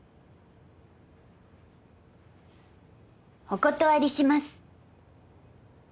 お断りします。